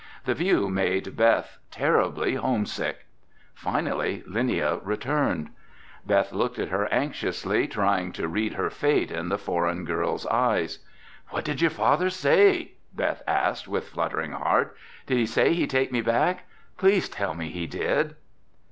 The view made Beth terribly homesick. Finally Linnia returned. Beth looked at her anxiously, trying to read her fate in the foreign girl's eyes. "What did your father say?" Beth asked, with fluttering heart. "Did he say he'd take me back? Please tell me he did!"